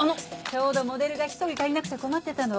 ちょうどモデルが１人足りなくて困ってたの。